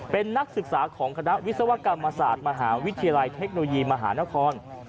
เป็นนักศึกษาของคณะวิศวกรรมศาสตร์มหาวิทยาลัยเทคโนโลยีมหานคร